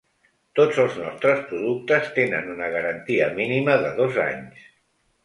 Tots els nostres productes tenen una garantia mínima de dos anys.